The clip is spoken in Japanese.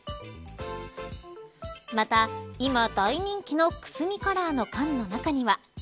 また今大人気のくすみカラーの缶の中には。